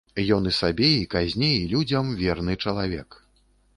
Ён і сабе, і казне, і людзям верны чалавек.